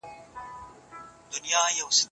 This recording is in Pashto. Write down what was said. استقامت د نفس غوښتنو مخه نيسي.